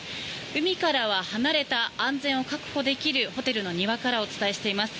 海からは離れた安全を確保できるホテルの庭からお伝えしています。